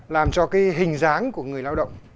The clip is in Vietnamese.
làm cho cái hình dáng của người lao động